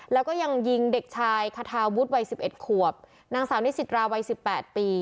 แล้วก็ยังยิงเด็กชายคาทาวุฒิวัยสิบเอ็ดขวบนางสาวนิสิตราวัยสิบแปดปี